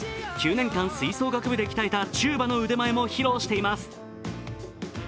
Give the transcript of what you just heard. ９年間吹奏楽部で鍛えたチューバの腕前も披露しています。